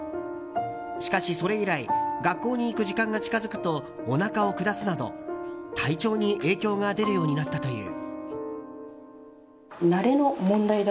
しかし、それ以来学校に行く時間が近づくとおなかを下すなど、体調に影響が出るようになったという。